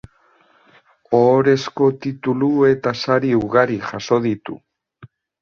Ohorezko titulu eta sari ugari jaso ditu.